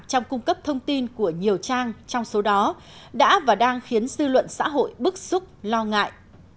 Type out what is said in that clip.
trong cung cấp thông tin của nhiều trang trong số đó đã và đang khiến dư luận xã hội bức xúc lo ngại